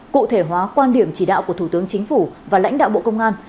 cụ thể hóa quan điểm chỉ đạo của thủ tướng chính phủ và lãnh đạo bộ công an